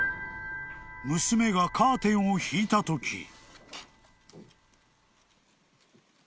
［娘がカーテンを引いたとき］